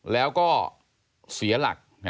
แล้วก็เสียหลัก